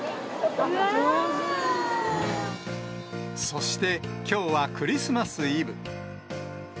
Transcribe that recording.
そして、きょうはクリスマスイブ。